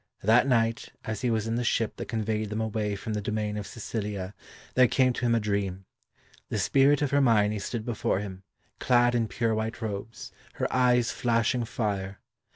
That night, as he was in the ship that conveyed them away from the domain of Sicilia, there came to him a dream. The spirit of Hermione stood before him, clad in pure white robes, her eyes flashing fire.